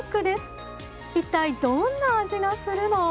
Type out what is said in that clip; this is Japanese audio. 一体どんな味がするの？